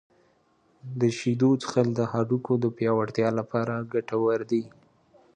• د شیدو څښل د هډوکو د پیاوړتیا لپاره ګټور دي.